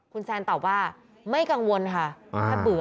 คุณแซนตอบว่าไม่กังวลค่ะถ้าเบื่อ